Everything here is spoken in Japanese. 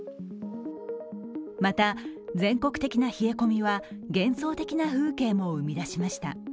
また、全国的な冷え込みは幻想的な風景も生み出しました。